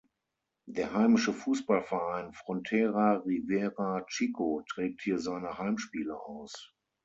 Der heimische Fußballverein Frontera Rivera Chico trägt hier seine Heimspiele aus.